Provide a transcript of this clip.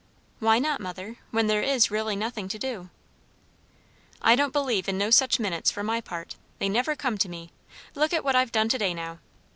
"Why not, mother? when there is really nothing to do." "I don't believe in no such minutes, for my part. They never come to me. Look at what I've done to day, now.